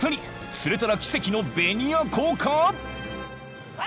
釣れたら奇跡のベニアコウか？］